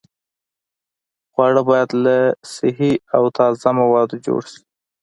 خواړه باید له صحي او تازه موادو جوړ شي.